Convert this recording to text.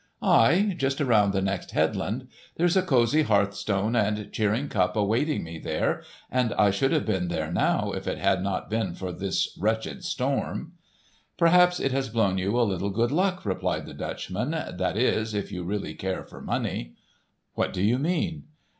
"Aye, just around the next headland. There's a cosy hearthstone and cheering cup awaiting me there, and I should have been there now, if it had not been for this wretched storm." "Perhaps it has blown you a little good luck," replied the Dutchman; "that is, if you really care for money." "What do you mean?"